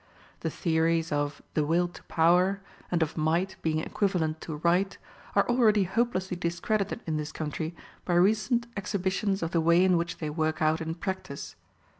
The theories of "the Will to Power" and of Might being equivalent to Right are already hopelessly discredited in this country by recent exhibitions of the way in which they work out in practice.